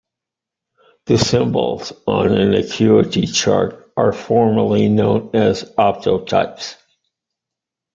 The symbols on an acuity chart are formally known as "optotypes".